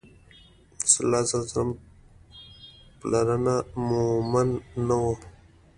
د رسول الله ﷺ پلرونه مؤمن نه وو